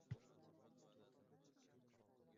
Ma’rifat manzili